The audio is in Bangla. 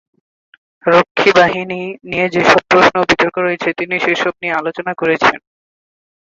রক্ষীবাহিনী নিয়ে যেসব প্রশ্ন ও বিতর্ক রয়েছে, তিনি সেসব নিয়ে আলোচনা করেছেন।